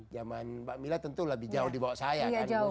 zaman mbak mila tentu lebih jauh dibawa saya